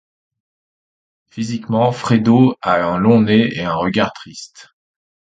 Physiquement, Fredo a un long nez et un regard triste.